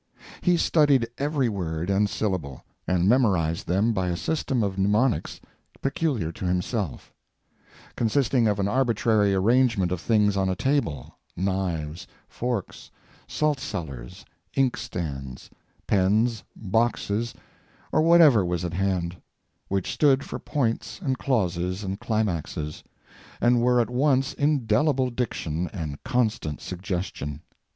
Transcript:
He studied every word and syllable, and memorized them by a system of mnemonics peculiar to himself, consisting of an arbitrary arrangement of things on a table—knives, forks, salt cellars; inkstands, pens, boxes, or whatever was at hand—which stood for points and clauses and climaxes, and were at once indelible diction and constant suggestion.